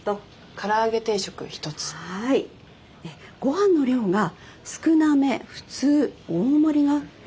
ごはんの量が少なめ普通大盛りが選べますけど。